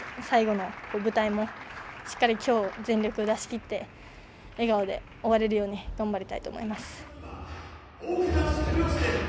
、最後の舞台もしっかりきょう全力出しきって笑顔で終われるように頑張りたいと思います。